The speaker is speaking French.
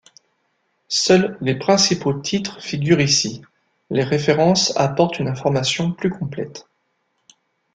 Seuls les principaux titres figurent ici, les références apportent une information plus complète.